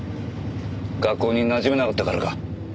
学校になじめなかったからか？